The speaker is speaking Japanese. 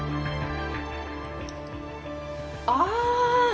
ああ！